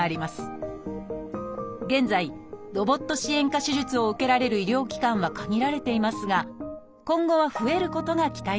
現在ロボット支援下手術を受けられる医療機関は限られていますが今後は増えることが期待されています